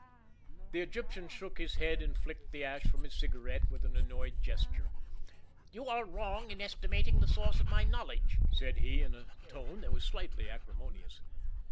The Egyptian shook his head and flicked the ash from his cigarette with an annoyed gesture. "You are wrong in estimating the source of my knowledge," said he, in a tone that was slightly acrimonious.